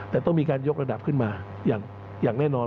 แต่ต้องมีการยกระดับขึ้นมาอย่างแน่นอน